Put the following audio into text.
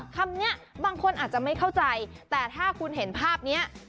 คำนี้บางคนอาจจะไม่เข้าใจแต่ถ้าคุณเห็นภาพนี้